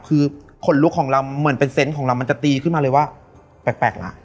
คือขนลุกของเราเหมือนเป็นเซนต์ของเรามันจะตีขึ้นมาเลยว่าแปลกล่ะ